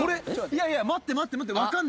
「いやいや待って待って」